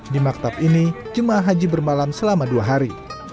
di maktab ini jemaah haji bermalam selama dua hari